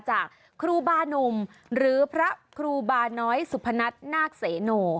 จากครูบานุ่มหรือพระครูบาน้อยสุพนัทนาคเสโน